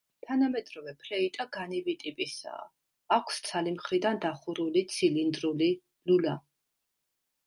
თანამედროვე ფლეიტა განივი ტიპისაა; აქვს ცალი მხრიდან დახურული ცილინდრული ლულა.